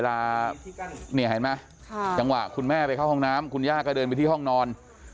เห็นไหมจังหวะคุณแม่ไปเข้าห้องน้ำคุณย่าก็เดินไปที่ห้องนอน